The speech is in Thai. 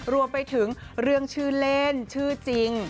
รวมไปถึงเรื่องชื่อเล่นชื่อจริง